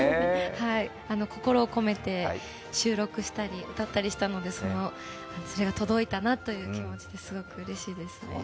心を込めて収録したり歌ったりしたので、それが届いたなという気持ちですごくうれしいです。